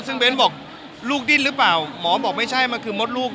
ซึ่งเบ้นบอกลูกดิ้นหรือเปล่าหมอบอกไม่ใช่มันคือมดลูก